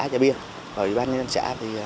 và bà con nhân dân xã